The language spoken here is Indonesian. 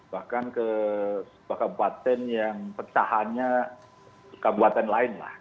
bahkan ke kabupaten yang pecahannya ke kabupaten lain lah